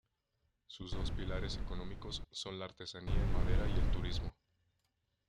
Sus dos pilares económicos son la artesanía en madera y el turismo.